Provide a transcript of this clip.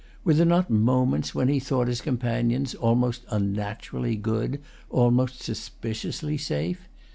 Were there not moments when he thought his companions almost unnaturally good, almost suspiciously safe?